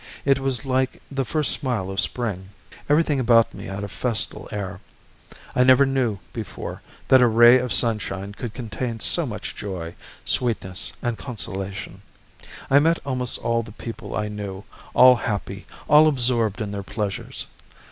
It was like the first smile of spring. Everything about me had a festal air. I never knew before that a ray of sunshine could contain so much joy, sweetness, and consolation. I met almost all the people I knew, all happy, all absorbed in their pleasures.